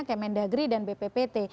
kemendagri dan bpt